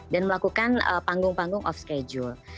dan melakukan panggung panggung off schedule